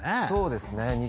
そうですね。